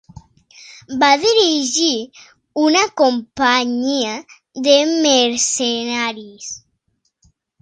Va dirigir una companyia de mercenaris.